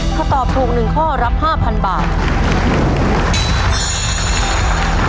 ถ้าตอบถูก๑ข้อรับ๕๐๐๐บาท